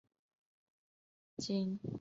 今敏后来认为此漫画并不成功。